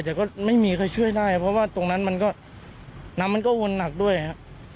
แต่ก็ไม่มีใครช่วยได้เพราะว่าตรงนั้นมันก็น้ำมันก็วนหนักด้วยครับ